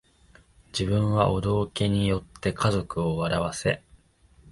自分はお道化に依って家族を笑わせ